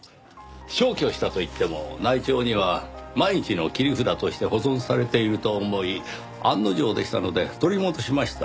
消去したといっても内調には万一の切り札として保存されていると思い案の定でしたので取り戻しました。